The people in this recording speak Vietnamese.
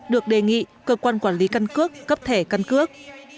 được đề nghị cơ quan quản lý căn cước cấp thẻ căn cước